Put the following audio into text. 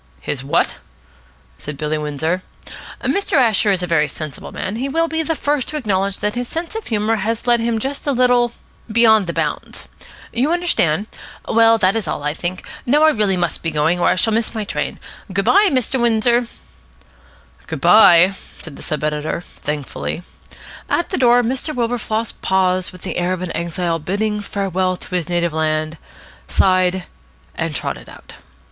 "His what?" said Billy Windsor. "Mr. Asher is a very sensible man, and he will be the first to acknowledge that his sense of humour has led him just a little beyond the bounds. You understand? Well, that is all, I think. Now I must really be going, or I shall miss my train. Good bye, Mr. Windsor." "Good bye," said the sub editor thankfully. At the door Mr. Wilberfloss paused with the air of an exile bidding farewell to his native land, sighed, and trotted out.